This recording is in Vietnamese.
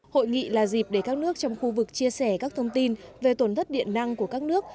hội nghị là dịp để các nước trong khu vực chia sẻ các thông tin về tổn thất điện năng của các nước